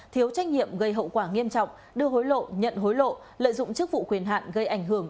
thiếu trách nhiệm gây hậu quả nghiêm trọng đưa hối lộ nhận hối lộ lợi dụng chức vụ quyền hạn gây ảnh hưởng